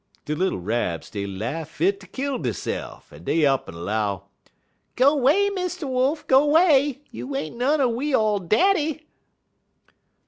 _' "De little Rabs dey laugh fit ter kill deyse'f, en dey up'n 'low: "'Go 'way, Mr. Wolf, go 'way! You ain't none er we all daddy!'